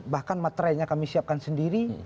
bahkan materainya kami siapkan sendiri